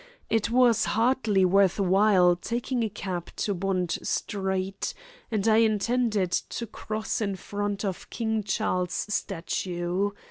It was hardly worth while taking a cab to Bond Street, and I intended to cross in front of King Charles's statue.